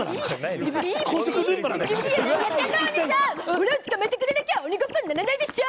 オラを捕まえてくれなきゃ鬼ごっこにならないでしょ。